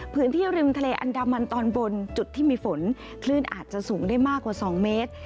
พื้นที่ริมทะเลอันดามันตอนบนจุดที่มีฝนคลื่นอาจจะสูงได้มากกว่า๒เมตร